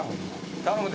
頼むで。